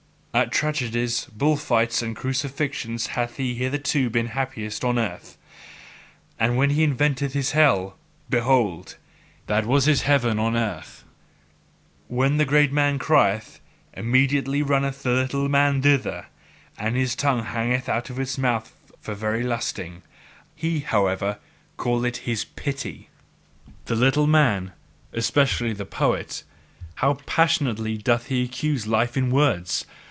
At tragedies, bull fights, and crucifixions hath he hitherto been happiest on earth; and when he invented his hell, behold, that was his heaven on earth. When the great man crieth : immediately runneth the little man thither, and his tongue hangeth out of his mouth for very lusting. He, however, calleth it his "pity." The little man, especially the poet how passionately doth he accuse life in words!